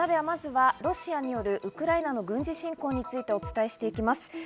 まずはロシアによるウクライナの軍事侵攻についてお伝えしていきます。